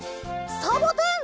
サボテン！